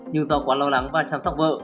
nhưng do quá lo lắng và chăm sóc vợ